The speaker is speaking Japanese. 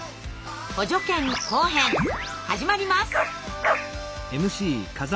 補助犬後編始まります。